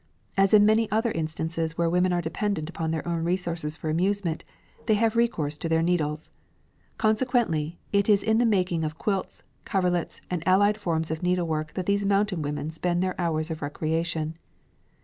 As in many other instances where women are dependent upon their own resources for amusement, they have recourse to their needles. Consequently, it is in the making of quilts, coverlets, and allied forms of needlework that these mountain women spend their hours of recreation.